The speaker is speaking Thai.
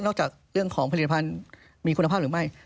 จากเรื่องของผลิตภัณฑ์มีคุณภาพหรือไม่